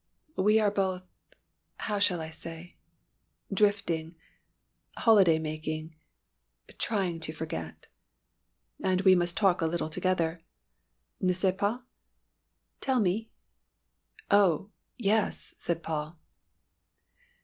"We are both how shall I say drifting holiday making trying to forget. And we must talk a little together, n'est ce pas? Tell me?" "Oh, yes!" said Paul.